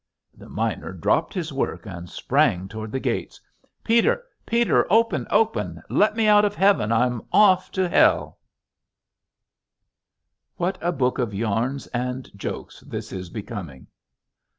The miner dropped his work and sprang toward the gates. "Peter, Peter, open, open! Let me out of Heaven, I'm off to Hell!" [Illustration: LONE MAN] What a book of yarns and jokes this is becoming!